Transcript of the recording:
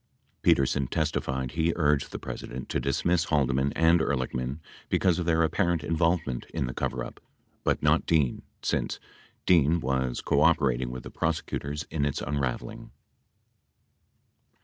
89 Petersen testified he urged the President to dismiss Haldeman and Ehrlichman because of their ap parent involvement in the coverup, but not Dean, since Dean was co operating with the prosecutors in its unraveling.